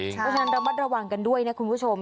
เพราะฉะนั้นระมัดระวังกันด้วยนะคุณผู้ชม